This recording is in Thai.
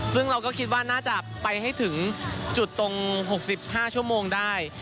ซึ่งเราก็คิดว่าน่าจะไปให้ถึงจุดตรง๖๕ชั่วโมงได้